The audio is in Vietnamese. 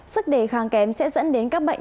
sức đề kháng kém sẽ dẫn đến các bệnh